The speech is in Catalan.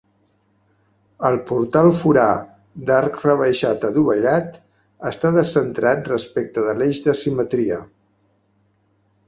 El portal forà, d’arc rebaixat adovellat, està descentrat respecte de l’eix de simetria.